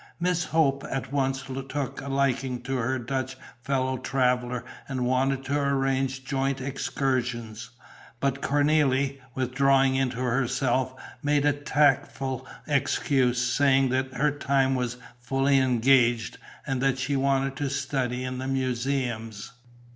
Miss Hope at once took a liking to her Dutch fellow traveller and wanted to arrange joint excursions; but Cornélie, withdrawing into herself, made a tactful excuse, said that her time was fully engaged, that she wanted to study in the museums.